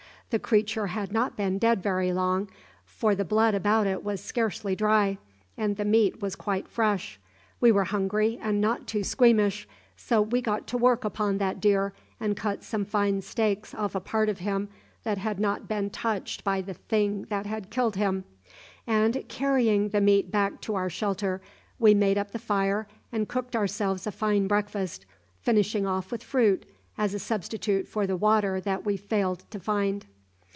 The creature had not been dead very long, for the blood about it was scarcely dry, and the meat was quite fresh. We were hungry and not too squeamish, so we got to work upon that deer and cut some fine steaks off a part of him that had not been touched by the thing that had killed him, and, carrying the meat back to our shelter, we made up the fire and cooked ourselves a fine breakfast, finishing off with fruit as a substitute for the water that we failed to find.